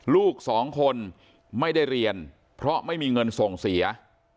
ลูกสองคนไม่ได้เรียนเพราะไม่มีเงินส่งเสีย